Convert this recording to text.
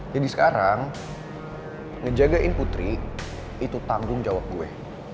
jadi sekarang ngejagain putri itu tanggung jawab gue